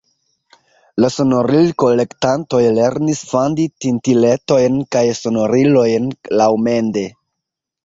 La sonoril-kolektantoj lernis fandi tintiletojn kaj sonorilojn laŭmende.